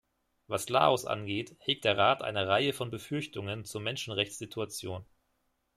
Was Laos angeht, hegt der Rat eine Reihe von Befürchtungen zur Menschenrechtssituation.